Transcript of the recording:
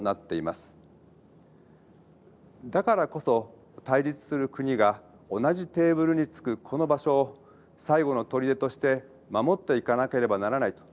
だからこそ対立する国が同じテーブルに着くこの場所を最後の砦として守っていかなければならないというのも確かです。